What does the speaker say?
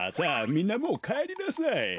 みんなもうかえりなさい。